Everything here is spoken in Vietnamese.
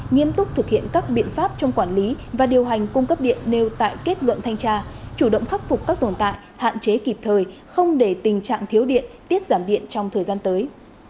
nghiêm túc thực hiện các biện pháp trong quản lý và điều hành cung cấp điện nêu tại kết luận thanh tra chủ động khắc phục các tồn tại hạn chế kịp thời không để tình trạng thiếu điện tiết giảm điện trong thời gian tới